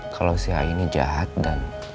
kalau si a ini jahat dan